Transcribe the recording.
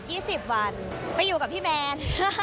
ไปอยู่เกือบ๒๐วันไปอยู่กับพี่แมน